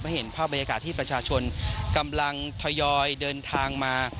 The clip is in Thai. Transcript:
เห็นภาพบรรยากาศที่ประชาชนกำลังทยอยเดินทางมา